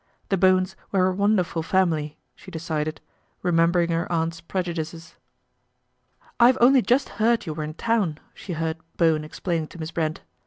The Bowens were a wonderful family t she decided, remembering her aunt's prejudices. " I have only just heard you were in town," she heard Bowen explaining to Miss Brent.